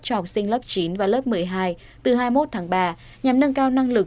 cho học sinh lớp chín và lớp một mươi hai từ hai mươi một tháng ba nhằm nâng cao năng lực